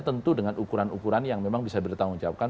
tentu dengan ukuran ukuran yang memang bisa ditanggung jawabkan